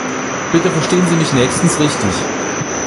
Bitte verstehen Sie mich nächstens richtig!